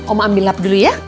oma ambil lab dulu ya